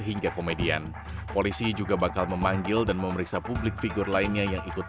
hingga komedian polisi juga bakal memanggil dan memeriksa publik figur lainnya yang ikut